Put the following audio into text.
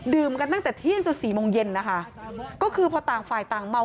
กันตั้งแต่เที่ยงจนสี่โมงเย็นนะคะก็คือพอต่างฝ่ายต่างเมา